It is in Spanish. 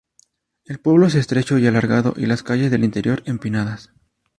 El pueblo es estrecho y alargado, y las calles del interior, empinadas.